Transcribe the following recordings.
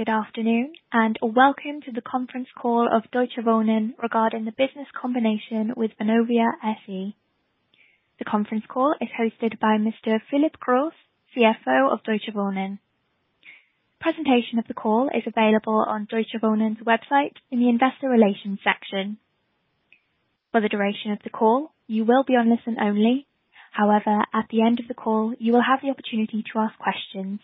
Good afternoon, and welcome to the conference call of Deutsche Wohnen regarding the business combination with Vonovia SE. The conference call is hosted by Mr. Philip Grosse, CFO of Deutsche Wohnen. Presentation of the call is available on Deutsche Wohnen's website in the investor relations section. For the duration of the call, you will be on listen only. However, at the end of the call, you will have the opportunity to ask questions.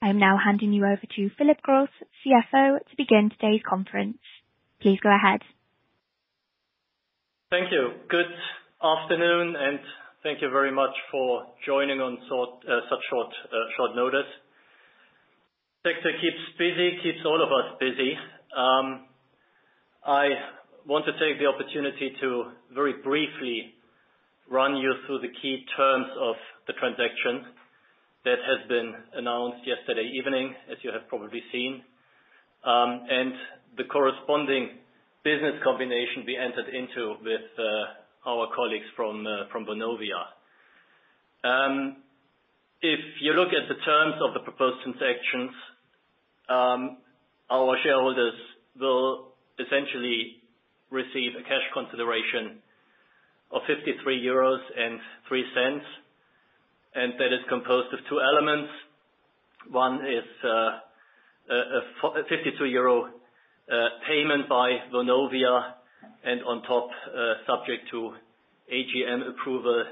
I'm now handing you over to Philip Grosse, CFO, to begin today's conference. Please go ahead. Thank you. Good afternoon, thank you very much for joining on such short notice. Sector keeps busy, keeps all of us busy. I want to take the opportunity to very briefly run you through the key terms of the transaction that has been announced yesterday evening, as you have probably seen, and the corresponding business combination we entered into with our colleagues from Vonovia. If you look at the terms of the proposed transactions, our shareholders will essentially receive a cash consideration of 53.03 euros, and that is composed of two elements. One is a 52 euro payment by Vonovia, and on top, subject to AGM approval,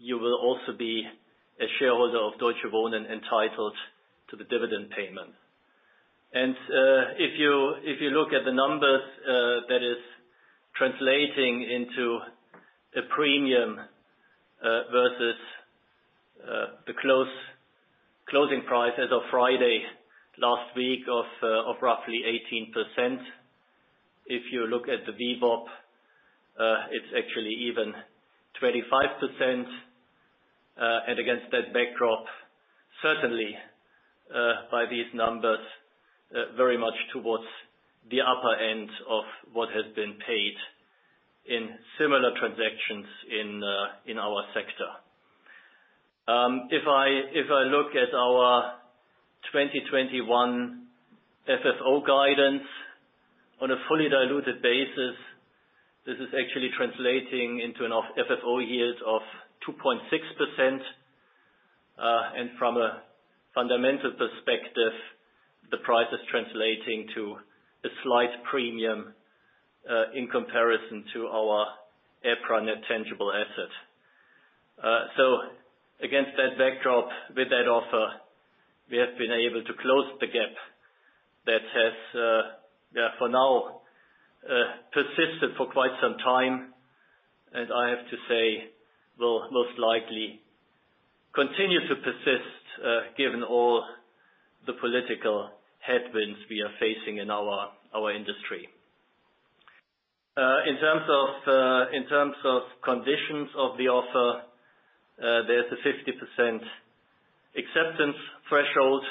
you will also be a shareholder of Deutsche Wohnen entitled to the dividend payment. If you look at the numbers, that is translating into a premium versus the closing price as of Friday last week of roughly 18%. You look at the VWAP, it's actually even 25%. Against that backdrop, certainly, by these numbers, very much towards the upper end of what has been paid in similar transactions in our sector. I look at our 2021 FFO guidance on a fully diluted basis, this is actually translating into an FFO yield of 2.6%. From a fundamental perspective, the price is translating to a slight premium in comparison to our EPRA net tangible assets. Against that backdrop, with that offer, we have been able to close the gap that has for now persisted for quite some time, and I have to say, will most likely continue to persist given all the political headwinds we are facing in our industry. In terms of conditions of the offer, there's a 50% acceptance threshold,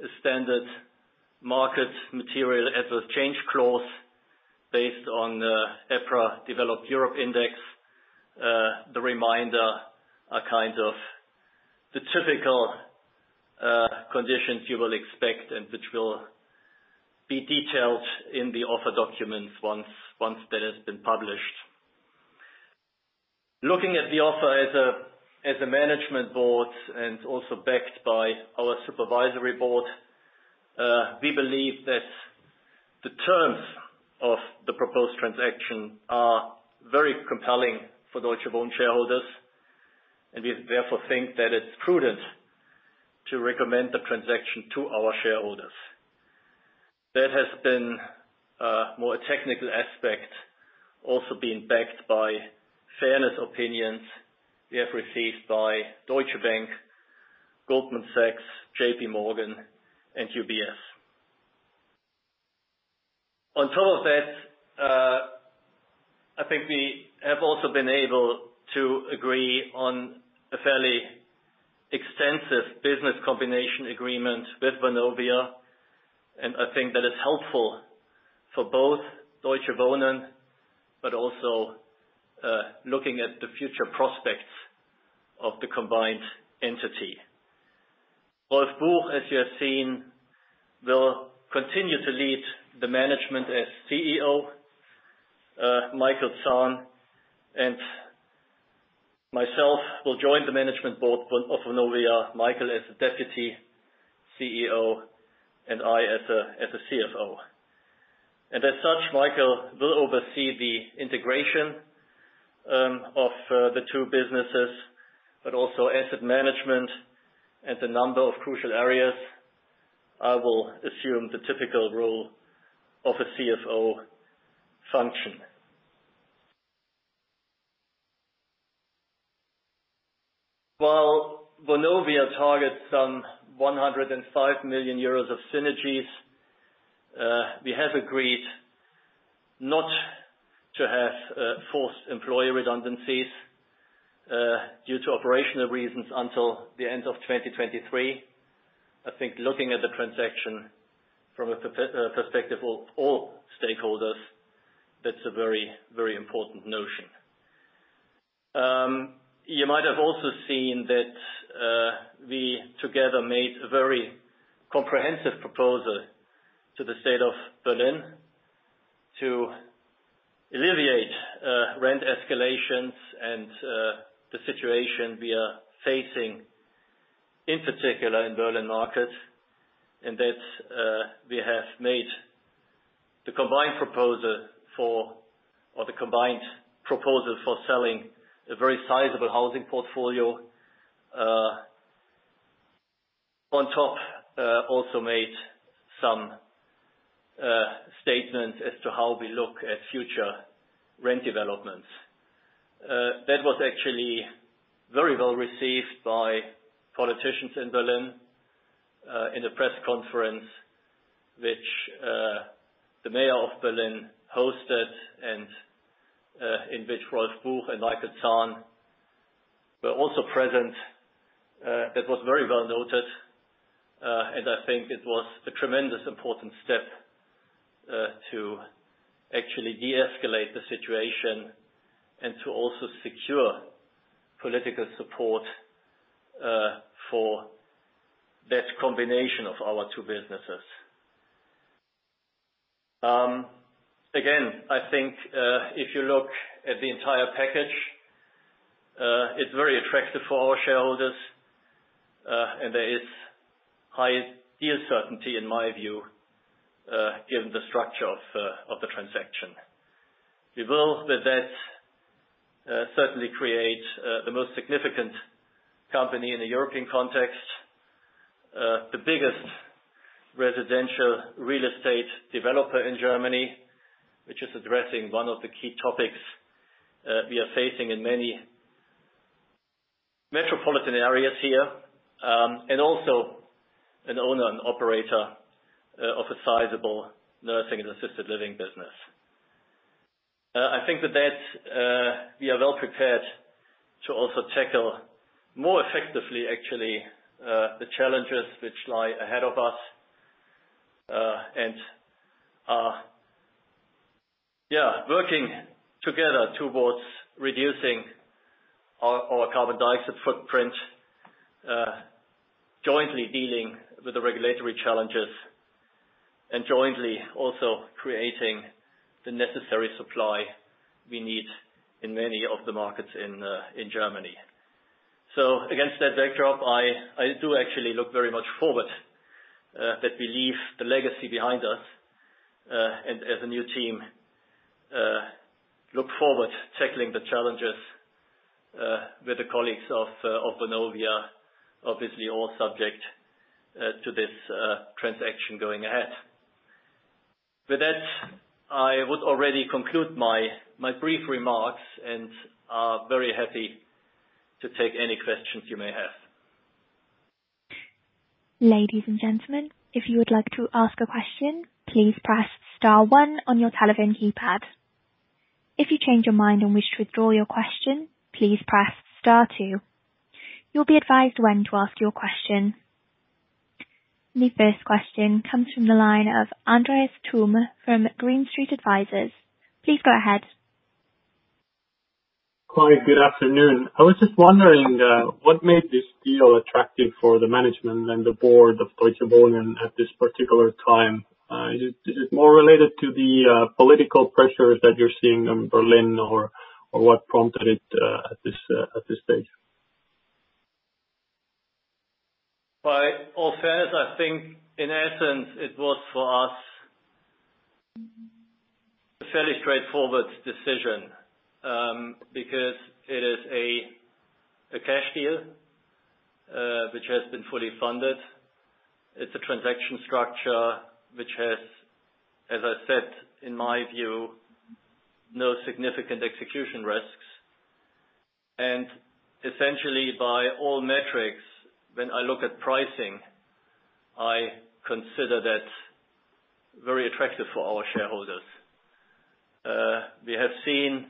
a standard market material asset change clause based on EPRA Developed Europe index. The remainder are the typical conditions you will expect and which will be detailed in the offer documents once that has been published. Looking at the offer as a management board and also backed by our supervisory board, we believe that the terms of the proposed transaction are very compelling for Deutsche Wohnen shareholders, and we therefore think that it's prudent to recommend the transaction to our shareholders. That has been a more technical aspect, also being backed by fairness opinions we have received by Deutsche Bank, Goldman Sachs, JPMorgan and UBS. On top of that, I think we have also been able to agree on a fairly extensive business combination agreement with Vonovia, and I think that is helpful for both Deutsche Wohnen, but also looking at the future prospects of the combined entity. Rolf Buch, as you have seen, will continue to lead the management as CEO. Michael Zahn and myself will join the management board of Vonovia, Michael as Deputy CEO and I as a CFO. As such, Michael will oversee the integration of the two businesses, but also asset management and a number of crucial areas. I will assume the typical role of a CFO function. While Vonovia targets some 105 million euros of synergies. We have agreed not to have forced employee redundancies due to operational reasons until the end of 2023. I think looking at the transaction from a perspective of all stakeholders, that's a very important notion. You might have also seen that we together made a very comprehensive proposal to the state of Berlin to alleviate rent escalations and the situation we are facing, in particular in Berlin market, and that we have made the combined proposal for, or the combined proposals for selling a very sizable housing portfolio. On top, also made some statements as to how we look at future rent developments. That was actually very well received by politicians in Berlin in the press conference which the mayor of Berlin hosted and in which Rolf Buch and Michael Zahn were also present. That was very well noted, and I think it was a tremendous important step to actually deescalate the situation and to also secure political support for that combination of our two businesses. I think if you look at the entire package, it's very attractive for our shareholders, and there is high certainty in my view, given the structure of the transaction. We will, with that, certainly create the most significant company in the European context, the biggest residential real estate developer in Germany, which is addressing one of the key topics we are facing in many metropolitan areas here, and also an owner and operator of a sizable nursing and assisted living business. I think with that, we are well prepared to also tackle more effectively actually, the challenges which lie ahead of us, and working together towards reducing our carbon dioxide footprint, jointly dealing with the regulatory challenges, and jointly also creating the necessary supply we need in many of the markets in Germany. Against that backdrop, I do actually look very much forward that we leave the legacy behind us, and as a new team, look forward to tackling the challenges with the colleagues of Vonovia, obviously all subject to this transaction going ahead. With that, I would already conclude my brief remarks and are very happy to take any questions you may have. The first question comes from the line of Andreas Thum from Green Street Advisors. Please go ahead. Hi, good afternoon. I was just wondering what made this deal attractive for the management and the board of Deutsche Wohnen at this particular time. Is it more related to the political pressures that you're seeing in Berlin, or what prompted it at this stage? By all fairness, I think in essence, it was for us a fairly straightforward decision, because it is a cash deal, which has been fully funded. It's a transaction structure which has, as I said, in my view, no significant execution risks. Essentially by all metrics, when I look at pricing, I consider that very attractive for our shareholders. We have seen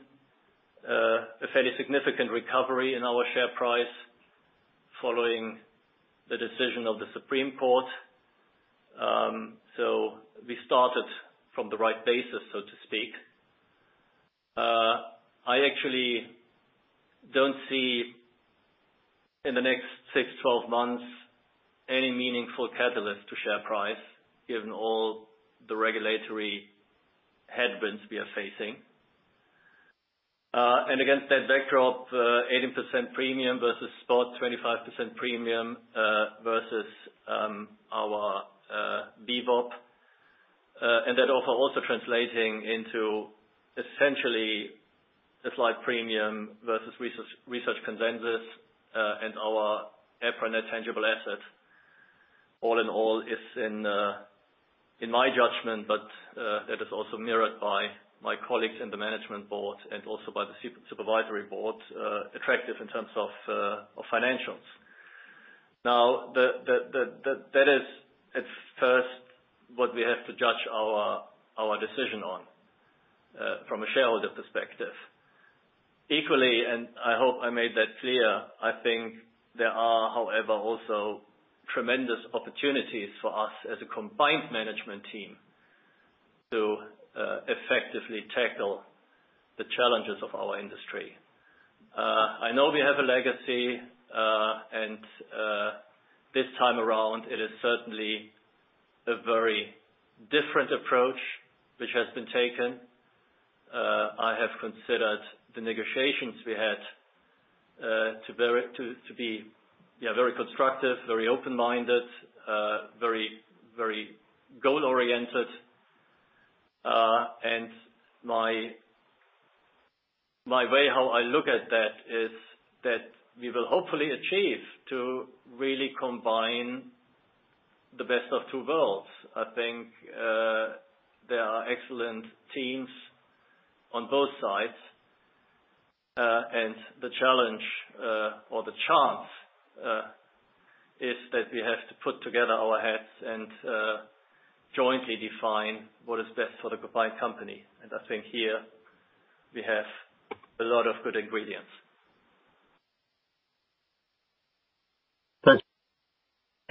a fairly significant recovery in our share price following the decision of the Supreme Court. So we started from the right basis, so to speak. I actually don't see in the next six, 12 months any meaningful catalyst to share price given all the regulatory headwinds we are facing. Against that backdrop, 80% premium versus spot 25% premium, versus our VWAP. That offer also translating into essentially a slight premium versus research consensus, our EPRA tangible asset all in all is in my judgment, but that is also mirrored by my colleagues in the management board and also by the supervisory board, attractive in terms of financials. Now that is at first what we have to judge our decision on, from a shareholder perspective. Equally, I hope I made that clear, I think there are, however, also tremendous opportunities for us as a combined management team to effectively tackle the challenges of our industry. I know we have a legacy, and this time around, it is certainly a very different approach which has been taken. I have considered the negotiations we had to be very constructive, very open-minded, very goal-oriented. My way how I look at that is that we will hopefully achieve to really combine the best of two worlds. I think there are excellent teams on both sides. The challenge or the chance is that we have to put together our heads and jointly define what is best for the combined company. I think here we have a lot of good ingredients.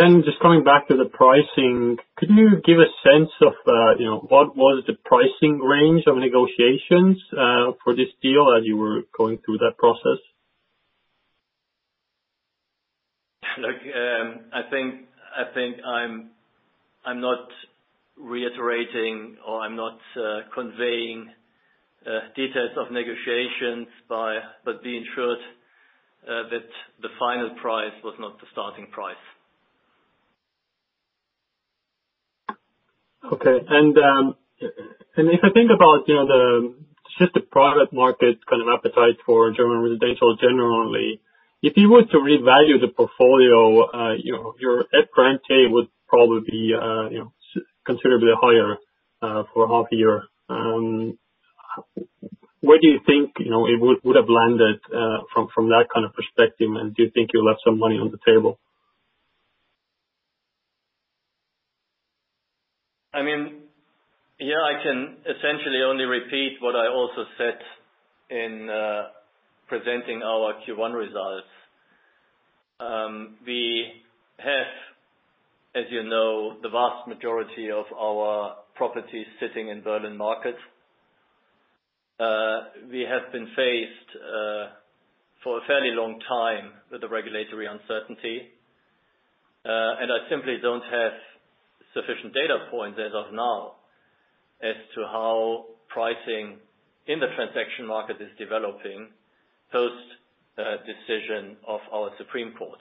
Thanks. Just coming back to the pricing, could you give a sense of what was the pricing range of negotiations for this deal as you were going through that process? Look, I think I'm not reiterating or I'm not conveying details of negotiations, but be assured that the final price was not the starting price. Okay. If I think about just the product market kind of appetite for German residential generally, if you were to revalue the portfolio, your EPRA NTA would probably be considerably higher for half year. Where do you think it would have landed from that kind of perspective? Do you think you left some money on the table? Here I can essentially only repeat what I also said in presenting our Q1 results. We have, as you know, the vast majority of our properties sitting in Berlin markets. We have been faced for a fairly long time with the regulatory uncertainty. I simply don't have sufficient data points as of now as to how pricing in the transaction market is developing post decision of our Federal Constitutional Court,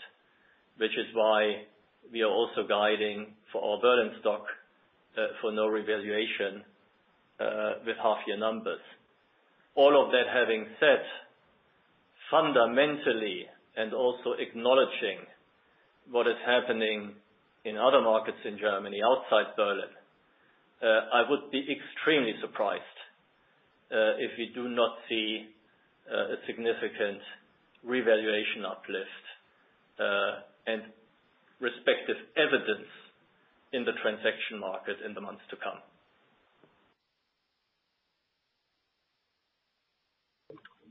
which is why we are also guiding for our Berlin stock for no revaluation with half year numbers. All of that having said, fundamentally and also acknowledging what is happening in other markets in Germany outside Berlin, I would be extremely surprised if we do not see a significant revaluation uplift, and respective evidence in the transaction market in the months to come.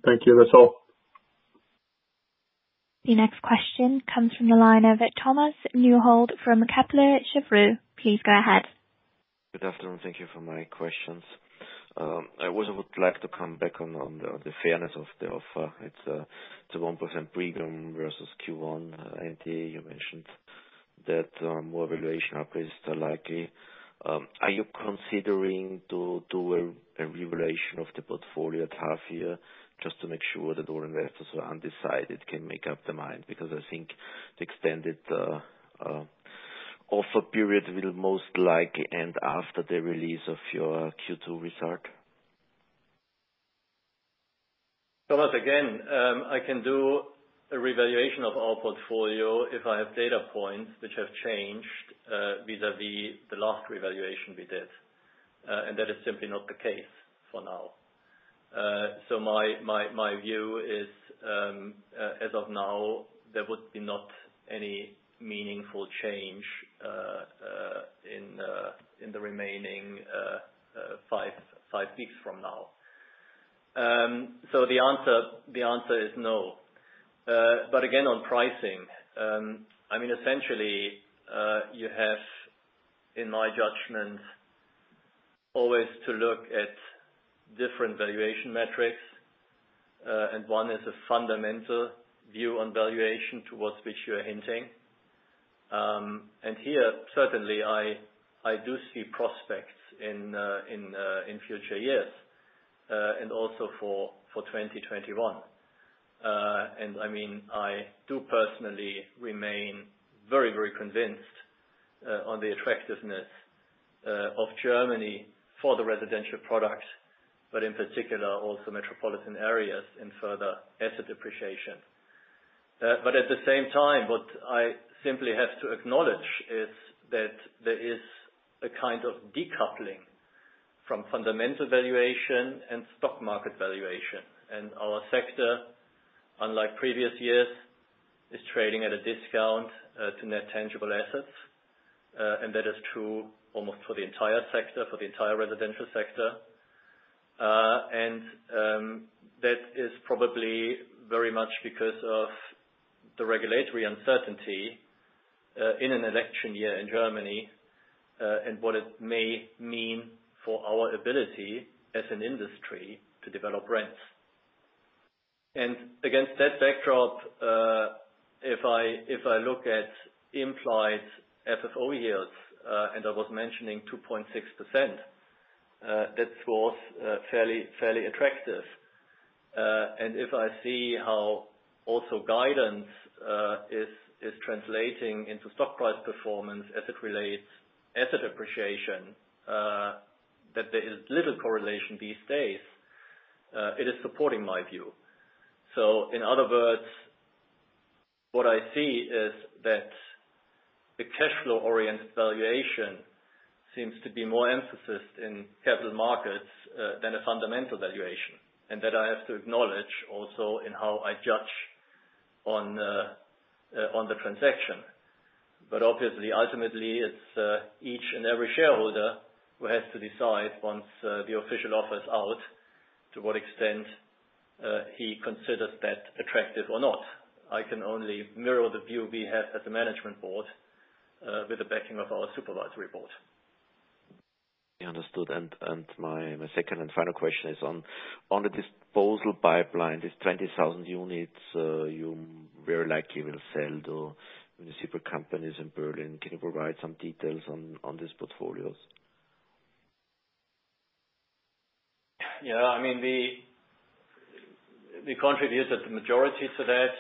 Thank you. That's all. The next question comes from the line of Thomas Neuhold from Kepler Cheuvreux. Please go ahead. Good afternoon. Thank you for my questions. I also would like to come back on the fairness of the offer. It's a 1% premium versus Q1. You mentioned that more valuation upgrades are likely. Are you considering to do a revaluation of the portfolio at half year just to make sure that all investors who are undecided can make up their mind? I think the extended offer period will most likely end after the release of your Q2 result. Thomas, again, I can do a revaluation of our portfolio if I have data points which have changed vis-a-vis the last revaluation we did. That is simply not the case for now. My view is, as of now, there would be not any meaningful change in the remaining five weeks from now. The answer is no. Again, on pricing. Essentially, you have, in my judgment, always to look at different valuation metrics. One is a fundamental view on valuation towards which you're hinting. Here, certainly, I do see prospects in future years, and also for 2021. I do personally remain very, very convinced on the attractiveness of Germany for the residential products, but in particular, also metropolitan areas in further asset depreciation. At the same time, what I simply have to acknowledge is that there is a kind of decoupling from fundamental valuation and stock market valuation. Our sector, unlike previous years, is trading at a discount to net tangible assets. That is true almost for the entire sector, for the entire residential sector. That is probably very much because of the regulatory uncertainty in an election year in Germany, and what it may mean for our ability as an industry to develop rents. Against that backdrop, if I look at implied FFO yields, and I was mentioning 2.6%, that is fairly attractive. If I see how also guidance is translating into stock price performance as it relates to asset depreciation, that there is little correlation these days, it is supporting my view. In other words, what I see is that the cash flow-oriented valuation seems to be more emphasized in capital markets than a fundamental valuation. That I have to acknowledge also in how I judge on the transaction. Obviously, ultimately, it's each and every shareholder who has to decide once the official offer is out, to what extent he considers that attractive or not. I can only mirror the view we have at the management board with the backing of our supervisory board. Understood. My second and final question is on the disposal pipeline, this 20,000 units you very likely will sell to municipal companies in Berlin. Can you provide some details on these portfolios? We contributed the majority to that,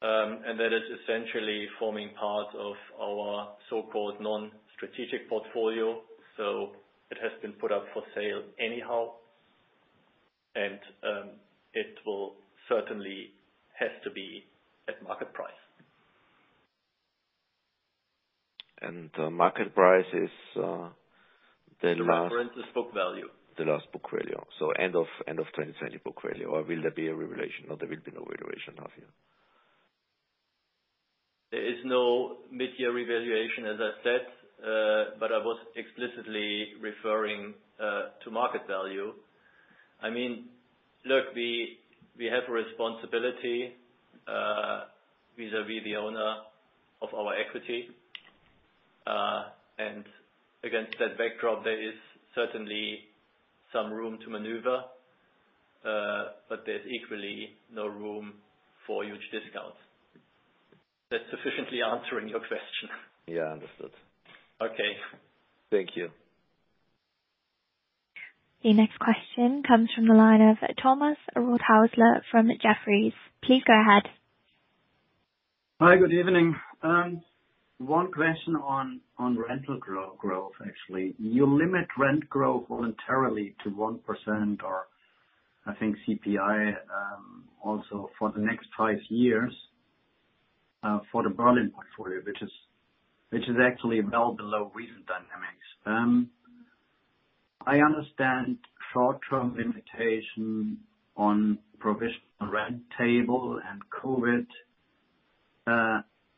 and that is essentially forming part of our so-called non-strategic portfolio. It has been put up for sale anyhow, and it will certainly have to be at market price. The market price is. Reference is book value. The last book value, end of 2020 book value, or will there be a revaluation, or there will be no revaluation of you? There is no mid-year revaluation, as I said, but I was explicitly referring to market value. Look, we have a responsibility vis-a-vis the owner of our equity. Against that backdrop, there is certainly some room to maneuver, but there's equally no room for huge discounts. That sufficiently answering your question? Yeah, understood. Okay. Thank you. The next question comes from the line of Thomas Rothaeusler from Jefferies. Please go ahead. Hi, good evening. One question on rental growth, actually. You limit rent growth voluntarily to 1% or I think CPI, also for the next five years, for the Berlin portfolio, which is actually well below recent dynamics. I understand short-term limitation on provisional rent table and COVID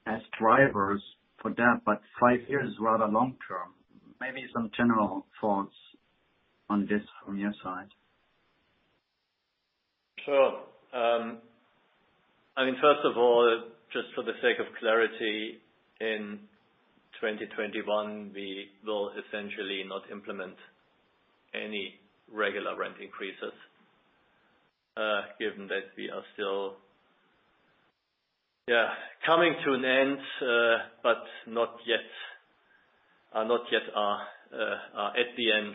as drivers for that, but five years is rather long-term. Maybe some general thoughts on this from your side. Sure. First of all, just for the sake of clarity, in 2021, we will essentially not implement any regular rent increases, given that we are still coming to an end, but not yet at the end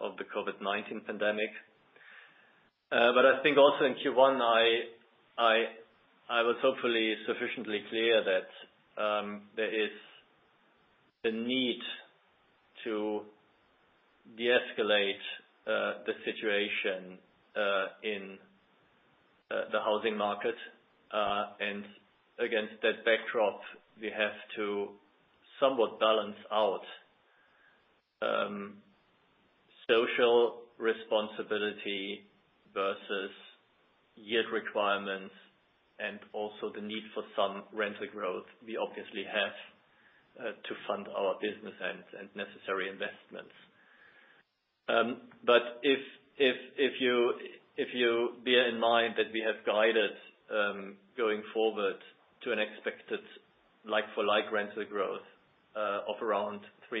of the COVID-19 pandemic. I think also in Q1, I was hopefully sufficiently clear that there is a need to deescalate the situation in the housing market. Against that backdrop, we have to somewhat balance out social responsibility versus yield requirements and also the need for some rental growth we obviously have to fund our business and necessary investments. If you bear in mind that we have guided going forward to an expected like-for-like rental growth of around 3%,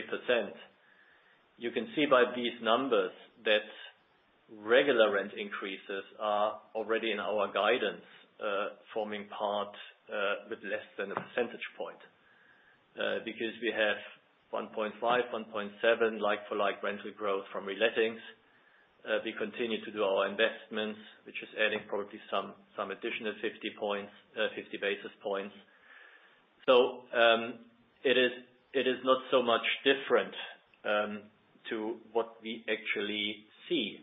you can see by these numbers that regular rent increases are already in our guidance, forming part with less than a percentage point. Because we have 1.5, 1.7 like-for-like rental growth from relettings. We continue to do our investments, which is adding probably some additional 50 basis points. It is not so much different to what we actually see.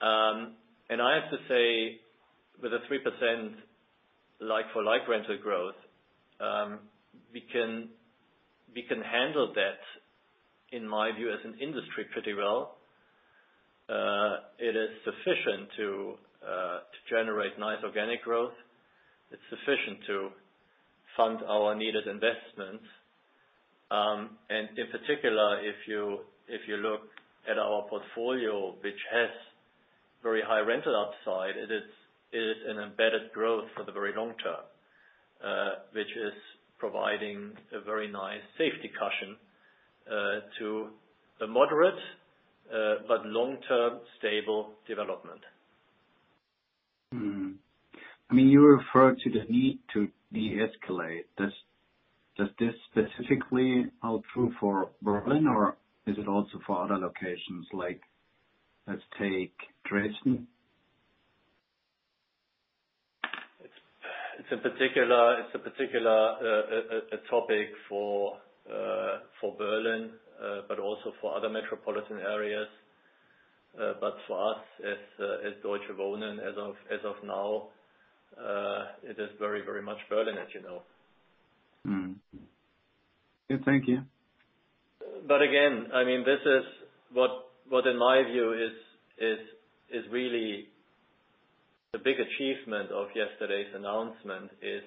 I have to say, with a 3% like-for-like rental growth, we can handle that, in my view, as an industry pretty well. It is sufficient to generate nice organic growth. It's sufficient to fund our needed investments. In particular, if you look at our portfolio, which has very high rental upside, it is an embedded growth for the very long term, which is providing a very nice safety cushion to a moderate but long-term stable development. You referred to the need to deescalate. Does this specifically hold true for Berlin, or is it also for other locations, like let's take Dresden? It's a particular topic for Berlin, but also for other metropolitan areas. For us, as Deutsche Wohnen, as of now, it is very much Berlin, as you know. Yeah. Thank you. Again, this is what in my view is really the big achievement of yesterday's announcement is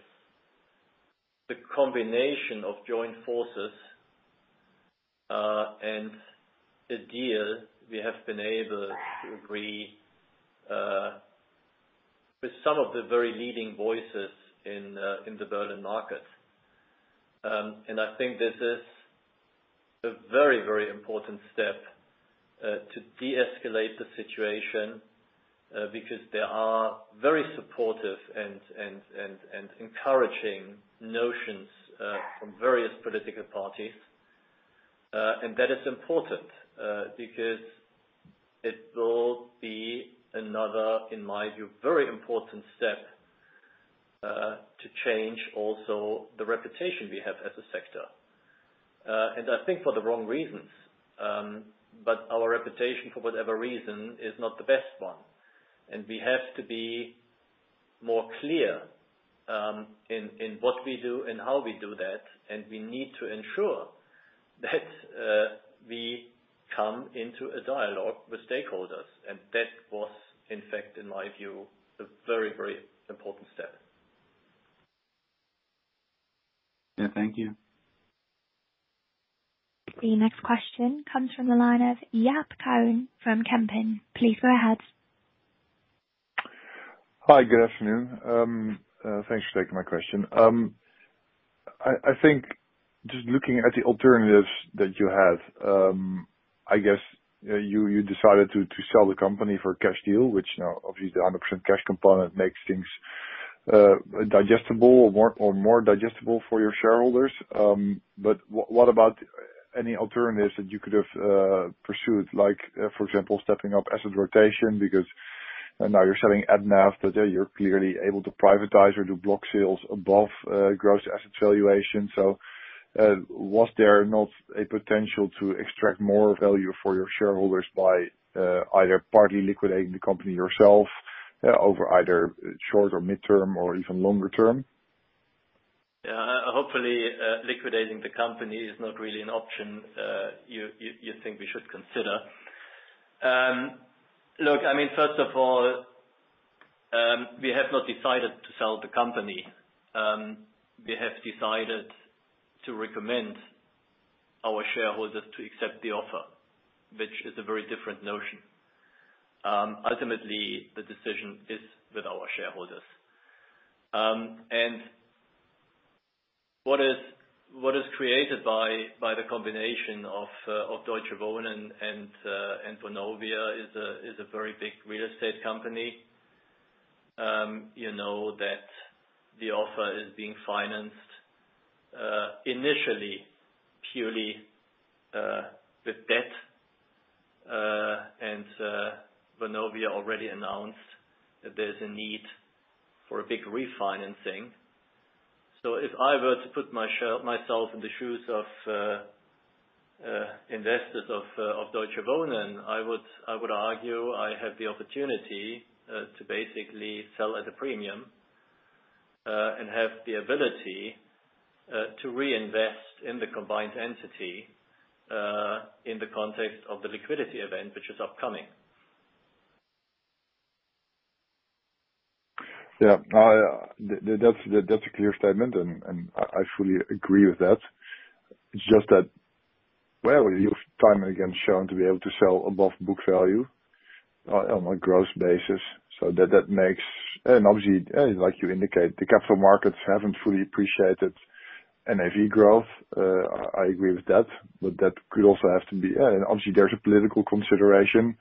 the combination of joined forces, and the deal we have been able to agree, with some of the very leading voices in the Berlin market. I think this is a very important step to deescalate the situation, because there are very supportive and encouraging notions from various political parties. That is important, because it will be another, in my view, very important step to change also the reputation we have as a sector. I think for the wrong reasons, but our reputation for whatever reason is not the best one. We have to be more clear in what we do and how we do that, and we need to ensure that we come into a dialogue with stakeholders. That was, in fact, in my view, a very important step. Yeah. Thank you. The next question comes from the line of Jaap Kuin from Kempen. Please go ahead. Hi. Good afternoon. Thanks for taking my question. I think just looking at the alternatives that you have, I guess, you decided to sell the company for a cash deal, which now obviously the 100% cash component makes things digestible or more digestible for your shareholders. What about any alternatives that you could have pursued, like for example, stepping up asset rotation because now you're selling at NAV after that you're clearly able to privatize or do block sales above gross asset valuation. Was there not a potential to extract more value for your shareholders by either partly liquidating the company yourself over either short or midterm or even longer term? Hopefully, liquidating the company is not really an option you think we should consider. First of all, we have not decided to sell the company. We have decided to recommend our shareholders to accept the offer, which is a very different notion. Ultimately, the decision is with our shareholders. What is created by the combination of Deutsche Wohnen and Vonovia is a very big real estate company. You know that the offer is being financed, initially, purely, with debt. Vonovia already announced that there's a need for a big refinancing. If I were to put myself in the shoes of investors of Deutsche Wohnen, I would argue I have the opportunity to basically sell at a premium, and have the ability to reinvest in the combined entity, in the context of the liquidity event, which is upcoming. Yeah. That's a clear statement, and I fully agree with that. It's just that, well, you've time and again shown to be able to sell above book value on a gross basis. Obviously, like you indicate, the capital markets haven't fully appreciated NAV growth. I agree with that. Obviously there's a political consideration,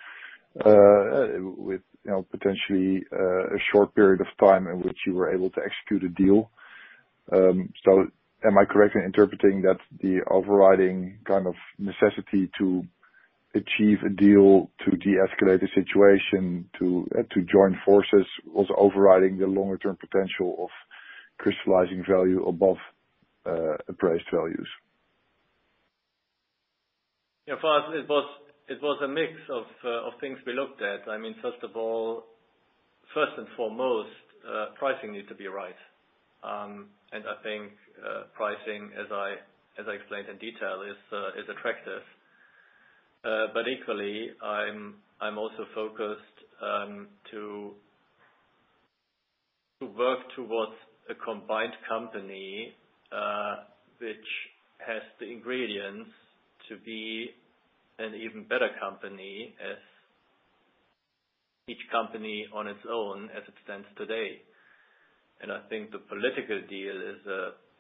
with potentially a short period of time in which you were able to execute a deal. Am I correct in interpreting that the overriding kind of necessity to achieve a deal to deescalate the situation to join forces was overriding the longer-term potential of crystallizing value above appraised values? It was a mix of things we looked at. First and foremost, pricing needs to be right. I think pricing, as I explained in detail, is attractive. Equally, I'm also focused to work towards a combined company which has the ingredients to be an even better company as each company on its own as it stands today. I think the political deal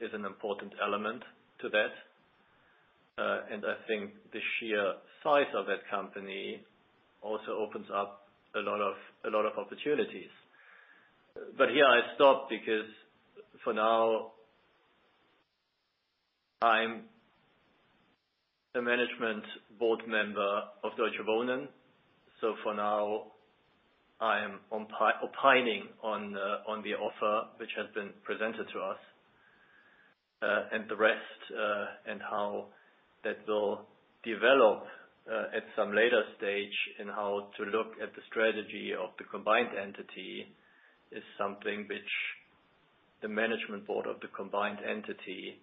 is an important element to that. I think the sheer size of that company also opens up a lot of opportunities. Here I stop because for now I'm a management board member of Deutsche Wohnen. For now, I am opining on the offer which has been presented to us, and the rest and how that will develop at some later stage and how to look at the strategy of the combined entity is something which the management board of the combined entity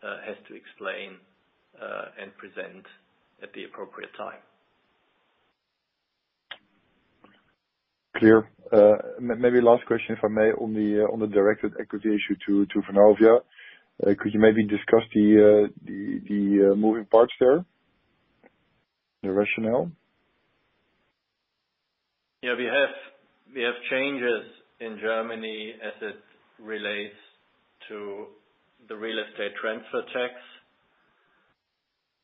has to explain and present at the appropriate time. Clear. Maybe last question, if I may, on the directed equity issue to Vonovia. Could you maybe discuss the moving parts there, the rationale? We have changes in Germany as it relates to the real estate transfer tax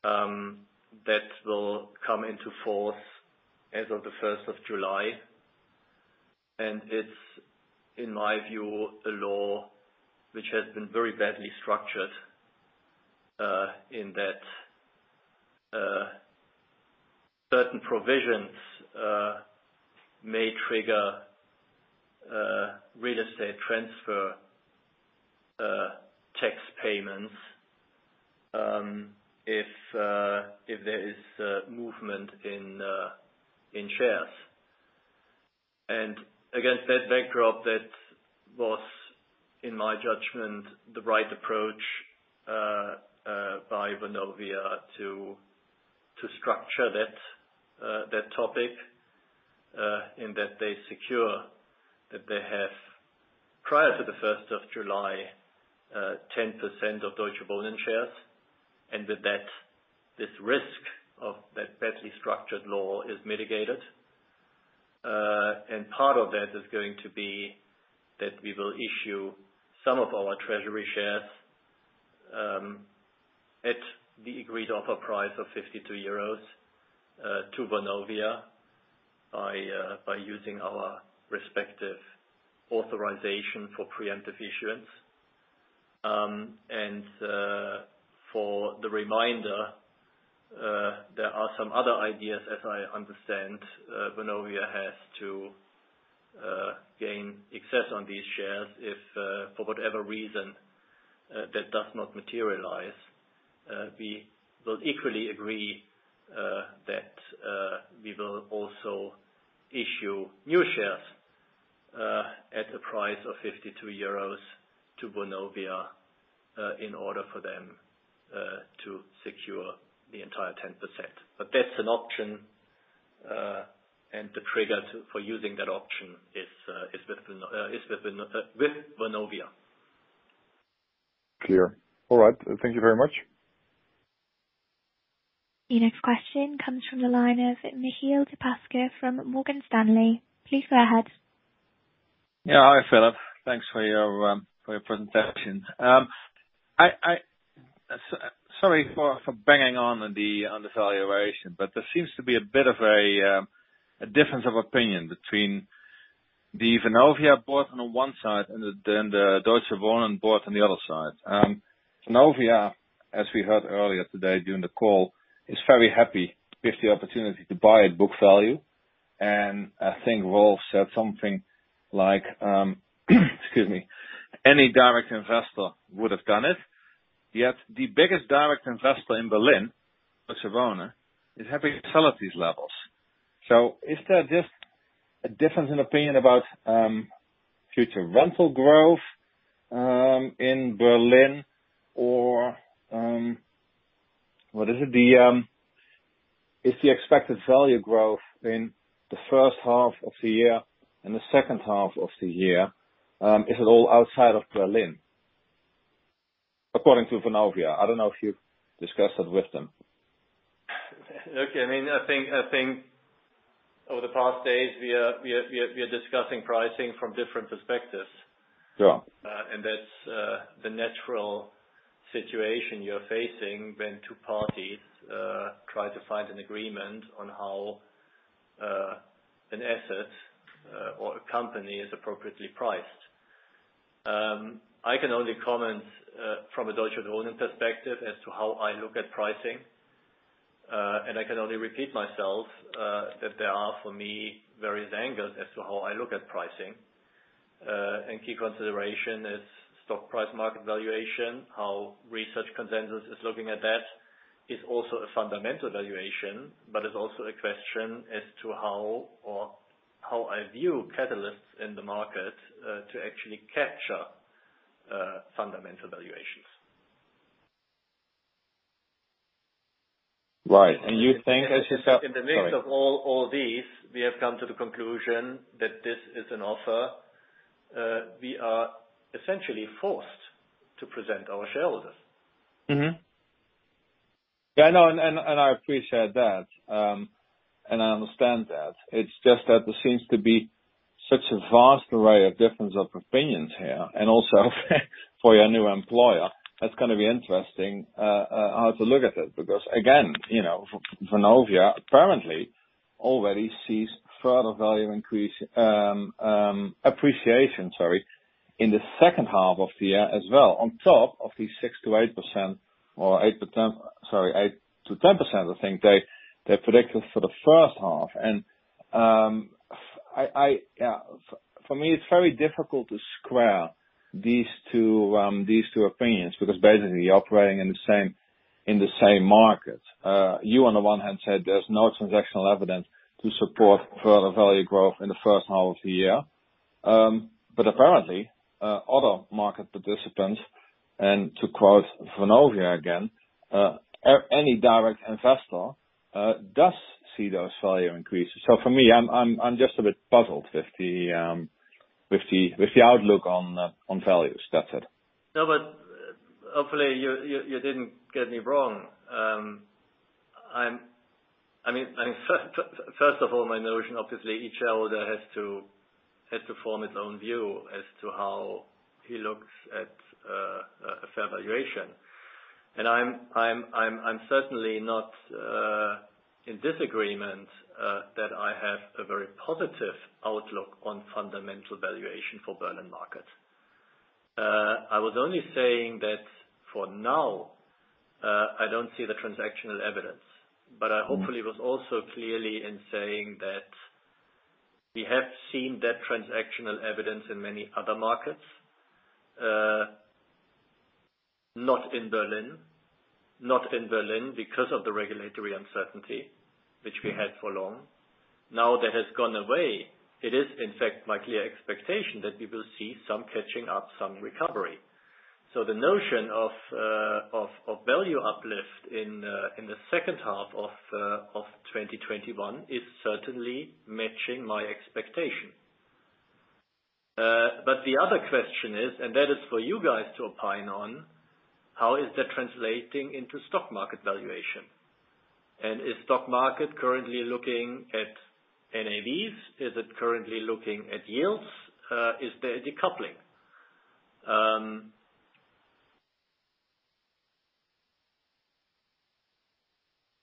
that will come into force as of the 1st of July. It's, in my view, a law which has been very badly structured in that certain provisions may trigger real estate transfer tax payments if there is movement in shares. Against that backdrop, that was, in my judgment, the right approach by Vonovia to structure that topic in that they secure that they have, prior to the 1st of July, 10% of Deutsche Wohnen shares and that this risk of that badly structured law is mitigated. Part of that is going to be that we will issue some of our treasury shares at the agreed offer price of 52 euros to Vonovia by using our respective authorization for preemptive issues. For the reminder, there are some other ideas, as I understand, Vonovia has to gain access on these shares if for whatever reason that does not materialize. We will equally agree that we will also issue new shares at the price of 52 euros to Vonovia in order for them to secure the entire 10%. That's an option, and the trigger for using that option is with Vonovia. Clear. All right. Thank you very much. The next question comes from the line of Michiel Pasca from Morgan Stanley. Please go ahead. Hi, Philip. Thanks for your presentation. Sorry for banging on the undervaluation, there seems to be a bit of a difference of opinion between the Vonovia board on one side and then the Deutsche Wohnen board on the other side. Vonovia, as we heard earlier today during the call, is very happy with the opportunity to buy at book value, I think Rolf said something like excuse me, any direct investor would have done it. Yet the biggest direct investor in Berlin, Deutsche Wohnen, is happy to sell at these levels. Is there just a difference in opinion about future rental growth in Berlin or is the expected value growth in the first half of the year and the second half of the year, is it all outside of Berlin? According to Vonovia. I don't know if you've discussed that with them. Look, I think over the past days, we are discussing pricing from different perspectives. Yeah. That's the natural situation you're facing when two parties try to find an agreement on how an asset or a company is appropriately priced. I can only comment from a Deutsche Wohnen perspective as to how I look at pricing. I can only repeat myself that there are, for me, various angles as to how I look at pricing. Key consideration is stock price market valuation, how research consensus is looking at that is also a fundamental valuation, but it's also a question as to how I view catalysts in the market to actually capture fundamental valuations. Right. You think that you have. Sorry. In the mix of all these, we have come to the conclusion that this is an offer we are essentially forced to present our shareholders. I know, I appreciate that. I understand that. It's just that there seems to be such a vast array of difference of opinions here, and also for your new employer. That's going to be interesting how to look at it, because again, Vonovia apparently already sees further value appreciation, sorry, in the second half of the year as well. On top of the 6%-8%, or 8%-10%, I think they predicted for the first half. For me, it's very difficult to square these two opinions because basically you're operating in the same market. You on the one hand said there's no transactional evidence to support further value growth in the first half of the year. Apparently, other market participants, and to quote Vonovia again, any direct investor does see those value increases. For me, I'm just a bit puzzled with the outlook on values. That's it. Hopefully you didn't get me wrong. First of all, my notion, obviously, each shareholder has to form his own view as to how he looks at fair valuation. I'm certainly not in disagreement that I have a very positive outlook on fundamental valuation for Berlin market. I was only saying that for now, I don't see the transactional evidence, but I hopefully was also clear in saying that we have seen that transactional evidence in many other markets, not in Berlin because of the regulatory uncertainty which we had for long. Now that has gone away. It is in fact my clear expectation that we will see some catching up, some recovery. The notion of value uplift in the second half of 2021 is certainly matching my expectation. The other question is, and that is for you guys to opine on, how is that translating into stock market valuation? Is stock market currently looking at NAVs? Is it currently looking at yields? Is there a decoupling?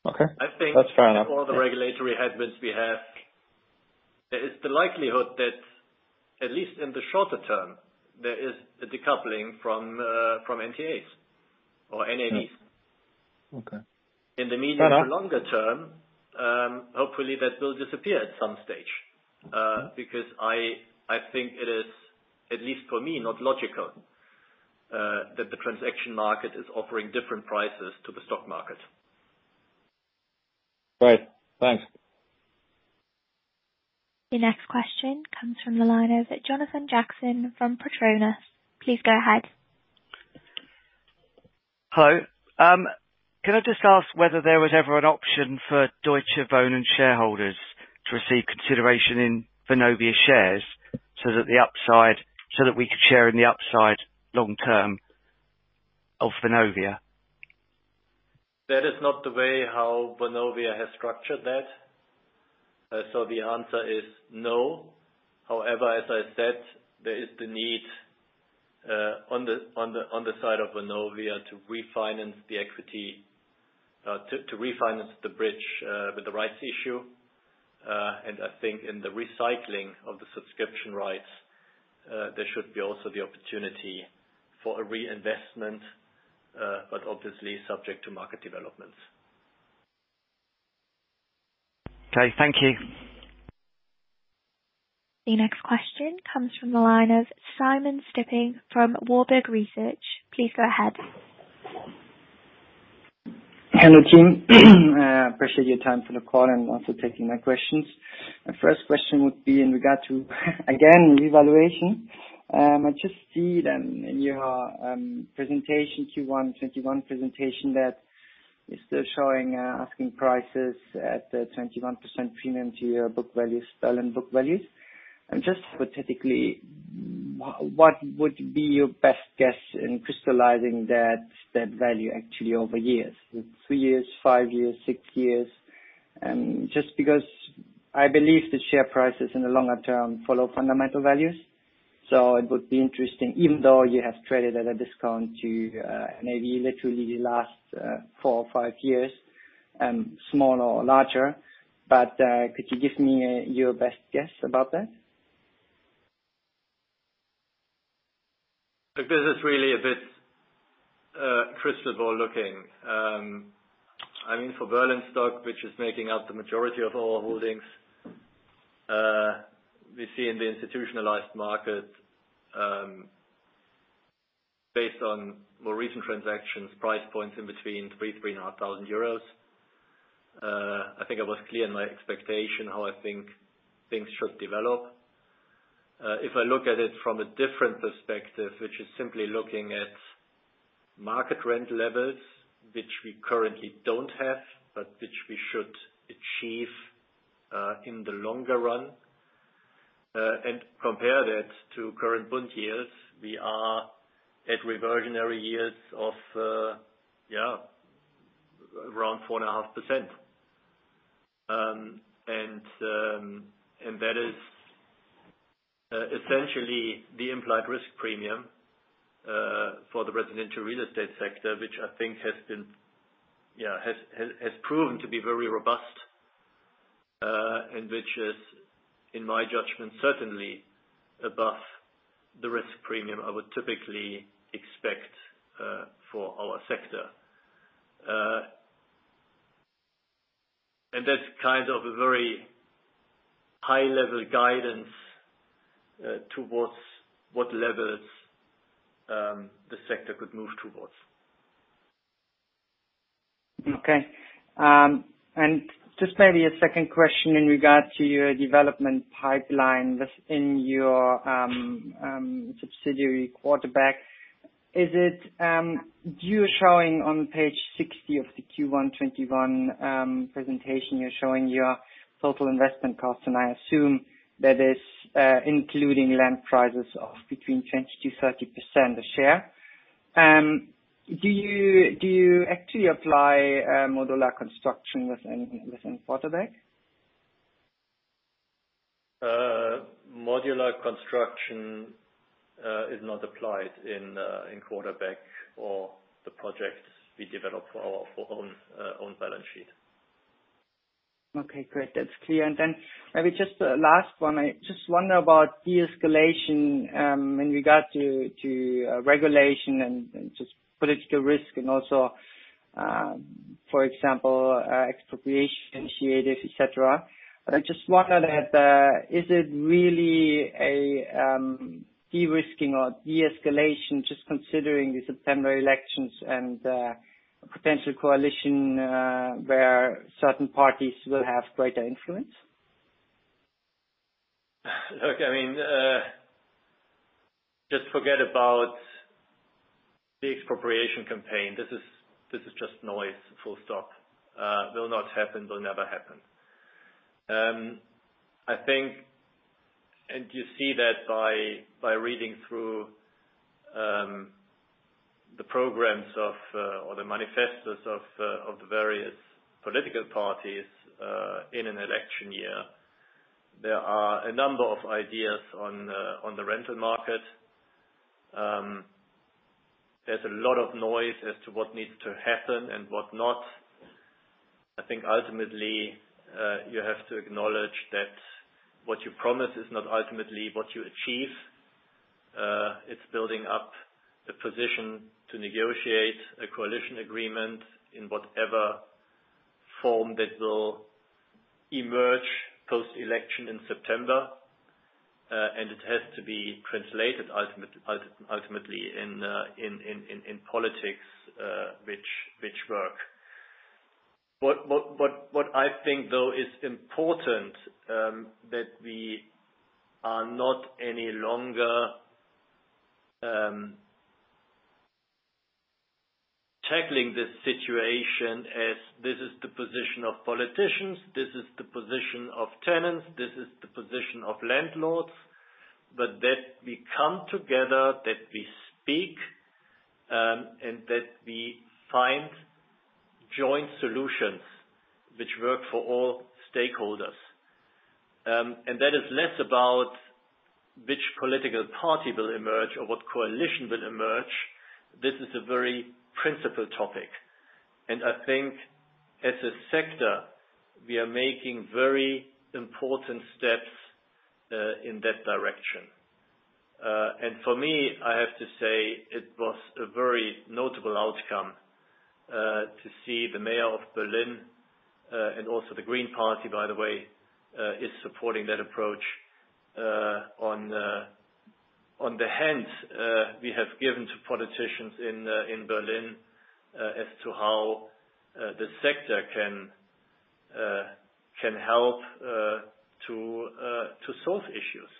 Okay. That's fair enough. I think with all the regulatory headwinds we have, there is the likelihood that at least in the shorter term, there is a decoupling from NTA or NAVs. Okay. Fair enough. In the medium and longer term, hopefully that will disappear at some stage because I think it is, at least for me, not logical that the transaction market is offering different prices to the stock market. Right. Thanks. The next question comes from the line of Jonathan Jackson from Patronus. Please go ahead. Hello. Could I just ask whether there was ever an option for Deutsche Wohnen shareholders to receive consideration in Vonovia shares so that we could share in the upside long term of Vonovia? That is not the way how Vonovia has structured that. The answer is no. However, as I said, there is the need on the side of Vonovia to refinance the equity, to refinance the bridge with the rights issue. I think in the recycling of the subscription rights, there should be also the opportunity for a reinvestment, but obviously subject to market developments. Okay. Thank you. The next question comes from the line of Simon Stippig from Warburg Research. Please go ahead. Hello, team. Appreciate your time for the call and also taking my questions. My first question would be in regard to, again, revaluation. I just see in your presentation, Q1 2021 presentation that is still showing asking prices at the 21% premium to your book values, Berlin book values. Just hypothetically, what would be your best guess in crystallizing that value actually over years, three years, five years, six years? Just because I believe the share prices in the longer term follow fundamental values. It would be interesting even though you have traded at a discount to maybe literally the last four or five years, smaller or larger. Could you give me your best guess about that? Look, this is really a bit crystal ball looking. I mean, for Berlin stock, which is making up the majority of our holdings, we see in the institutionalized market, based on more recent transactions, price points in between 3,000 and 3,500 euros. I think I was clear in my expectation how I think things should develop. If I look at it from a different perspective, which is simply looking at market rent levels, which we currently don't have, but which we should achieve in the longer run, and compare that to current bond yields, we are at reversionary yields of around 4.5%. That is essentially the implied risk premium for the residential real estate sector, which I think has proven to be very robust, and which is, in my judgment, certainly above the risk premium I would typically expect for our sector. That's kind of a very high-level guidance towards what levels the sector could move towards. Okay. Just maybe a second question in regard to your development pipeline within your subsidiary, QUARTERBACK. You're showing on page 60 of the Q1 2021 presentation, you're showing your total investment costs, and I assume that is including land prices of between 20%-30% a share. Do you actually apply modular construction within QUARTERBACK? Modular construction is not applied in Quarterback or the projects we develop for our own balance sheet. Okay, great. That's clear. Then maybe just a last one. I just wonder about de-escalation in regard to regulation and just political risk and also, for example, expropriation initiatives, et cetera. I just wonder that, is it really a de-risking or de-escalation, just considering the September elections and potential coalition where certain parties will have greater influence? Look, just forget about the expropriation campaign. This is just noise, full stop. Will not happen. Will never happen. You see that by reading through the programs or the manifestos of the various political parties in an election year. There are a number of ideas on the rental market. There's a lot of noise as to what needs to happen and what not. I think ultimately, you have to acknowledge that what you promise is not ultimately what you achieve. It's building up the position to negotiate a coalition agreement in whatever form that will emerge post-election in September. It has to be translated ultimately in politics which work. What I think though is important, that we are not any longer tackling this situation as this is the position of politicians, this is the position of tenants, this is the position of landlords, but that we come together, that we speak, and that we find joint solutions which work for all stakeholders. That is less about which political party will emerge or what coalition will emerge. This is a very principal topic. I think as a sector, we are making very important steps in that direction. For me, I have to say, it was a very notable outcome to see the mayor of Berlin, and also the Green Party, by the way, is supporting that approach on the hands we have given to politicians in Berlin as to how the sector can help to solve issues.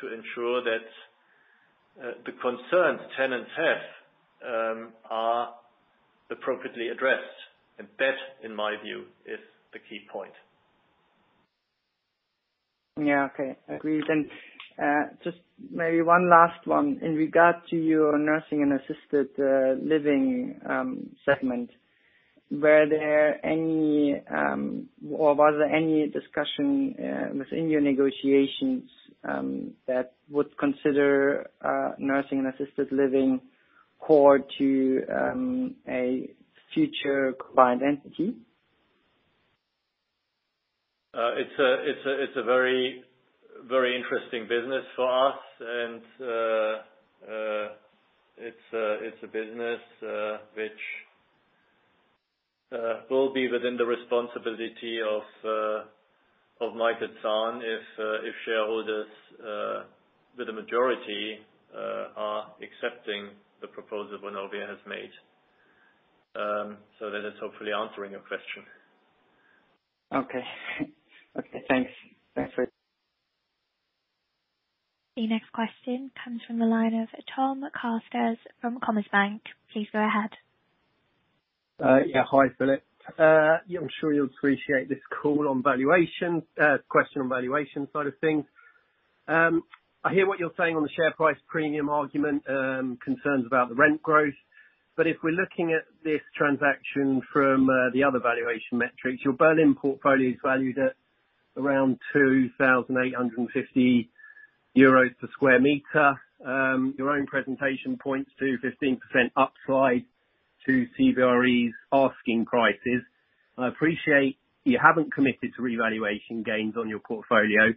To ensure that the concerns tenants have are appropriately addressed. That, in my view, is the key point. Yeah. Okay. Agreed. Just maybe one last one. In regard to your nursing and assisted living segment, were there any, or was there any discussion within your negotiations that would consider nursing and assisted living core to a future combined entity? It's a very interesting business for us, it's a business which will be within the responsibility of Michael Zahn if shareholders with a majority are accepting the proposal Vonovia has made. That is hopefully answering your question. Okay. Okay, thanks. The next question comes from the line of Tom Carstairs from Commerzbank. Please go ahead. Hi, Philip. I'm sure you'll appreciate this question on valuation sort of thing. I hear what you're saying on the share price premium argument, concerns about the rent growth. If we're looking at this transaction from the other valuation metrics, your Berlin portfolio is valued at around 2,850 euros per sq m. Your own presentation points to 15% upside to CBRE's asking prices. I appreciate you haven't committed to revaluation gains on your portfolio,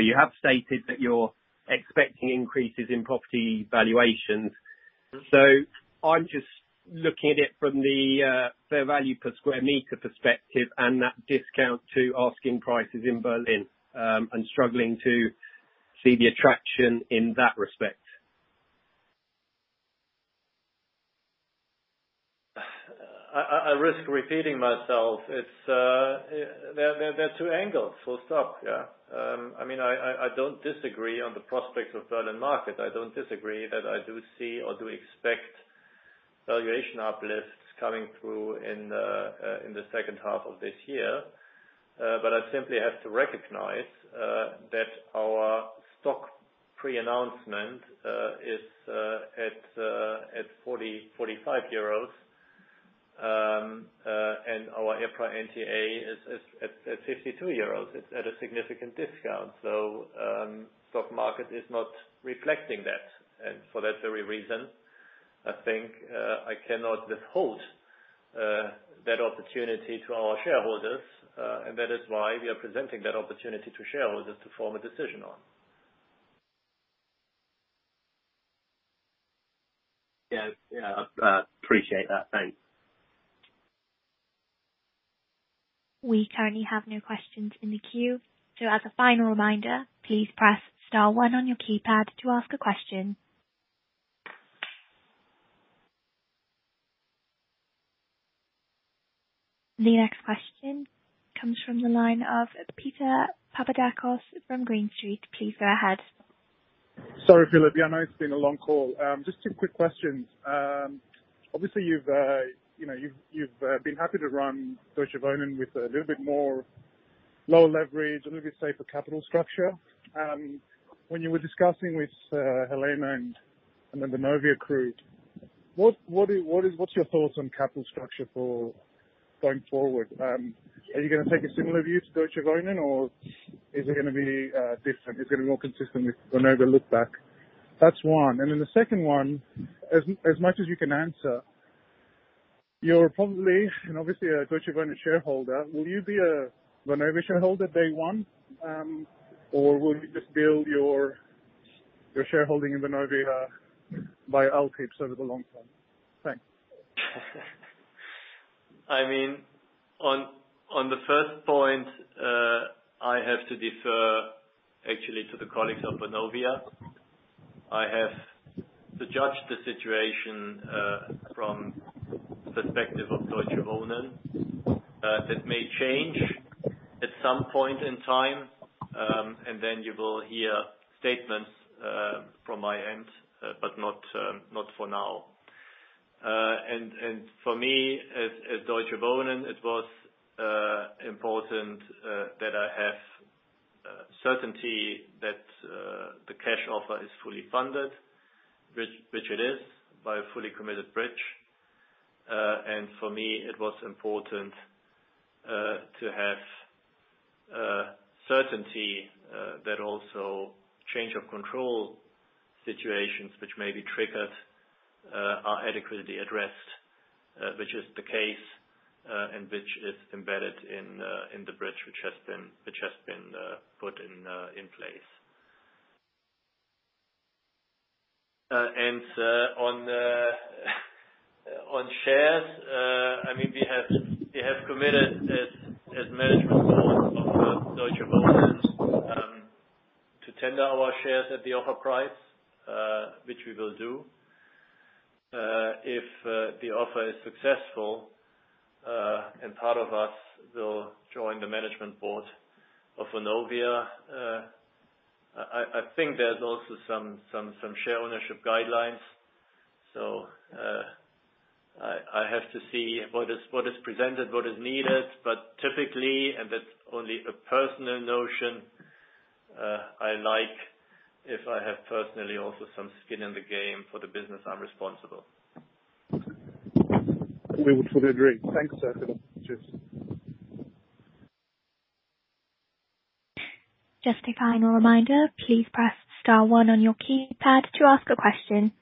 you have stated that you're expecting increases in property valuations. I'm just looking at it from the fair value per sq m perspective and that discount to asking prices in Berlin, and struggling to see the attraction in that respect. I risk repeating myself. There are two angles, full stop. I don't disagree on the prospect of Berlin market. I don't disagree that I do see or do expect valuation uplifts coming through in the second half of this year. I simply have to recognize that our stock pre-announcement is at €45, and our EPRA NTA is at €52. It's at a significant discount. Stock market is not reflecting that. For that very reason, I think, I cannot withhold that opportunity to our shareholders, and that is why we are presenting that opportunity to shareholders to form a decision on. Yeah. Appreciate that. Thanks. We currently have no questions in the queue. As a final reminder, please press star one on your keypad to ask a question. The next question comes from the line of Peter Papadakos from Green Street. Please go ahead. Sorry, Philip. Yeah, I know it's been a long call. Just two quick questions. Obviously, you've been happy to run Deutsche Wohnen with a little bit more low leverage, a little bit safer capital structure. When you were discussing with Helene von Roeder and the Vonovia crew, what's your thoughts on capital structure for going forward? Are you going to take a similar view to Deutsche Wohnen or is it going to be different? Is it going to be more consistent with Vonovia look back? That's one. The second one, as much as you can answer, you're probably and obviously a Deutsche Wohnen shareholder. Will you be a Vonovia shareholder day one? Will you just build your shareholding in Vonovia by upkeep over the long term? Thanks. On the first point, I have to defer actually to the colleagues of Vonovia. I have to judge the situation from perspective of Deutsche Wohnen. That may change at some point in time, and then you will hear statements from my end, but not for now. For me, at Deutsche Wohnen, it was important that I have certainty that the cash offer is fully funded, which it is by a fully committed bridge. For me, it was important to have certainty that also change of control situations which may be triggered are adequately addressed which is the case and which is embedded in the bridge which has been put in place. On shares, we have committed as management board of Deutsche Wohnen to tender our shares at the offer price which we will do. If the offer is successful and part of us will join the management board of Vonovia. I think there's also some share ownership guidelines. I have to see what is presented, what is needed. Typically, and that's only a personal notion, I like if I have personally also some skin in the game for the business I'm responsible. Will do. Will put it through. Thanks. Cheers. Just a final reminder, please press star one on your keypad to ask a question.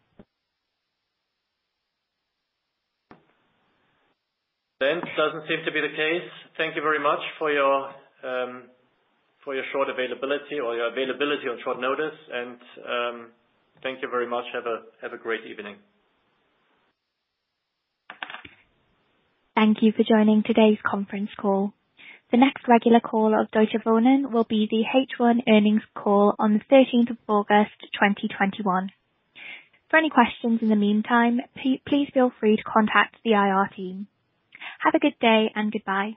It doesn't seem to be the case. Thank you very much for your short availability or your availability on short notice, and thank you very much. Have a great evening. Thank you for joining today's conference call. The next regular call of Deutsche Wohnen will be the H1 earnings call on the 13th of August 2021. For any questions in the meantime, please feel free to contact the IR team. Have a good day and goodbye.